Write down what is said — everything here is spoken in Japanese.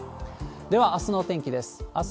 では、あすのお天気です。